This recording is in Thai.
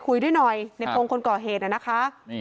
คุยด้วยหน่อยในพงศ์คนก่อเหตุน่ะนะคะ